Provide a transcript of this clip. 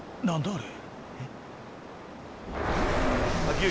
あれ。